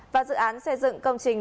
và dự án xây dựng công trình